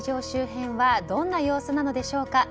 周辺はどんな様子なのでしょうか。